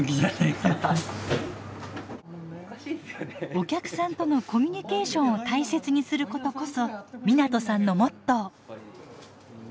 お客さんとのコミュニケーションを大切にすることこそ湊さんのモットー。